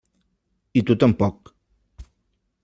I tu tampoc.